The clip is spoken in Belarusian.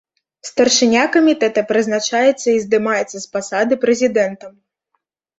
Старшыня камітэта прызначаецца і здымаецца з пасады прэзідэнтам.